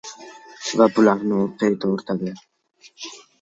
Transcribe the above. va bu ularni faqat orqaga tortadi.